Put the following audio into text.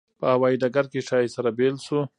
په هوایي ډګر کې ښایي سره بېل شو.